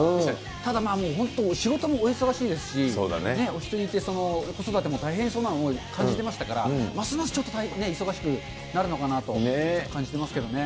ただ、本当、仕事もお忙しいですし、お２人いて子育ても大変そうにも感じてましたから、ますますちょっと忙しくなるのかなと感じていますけれどもね。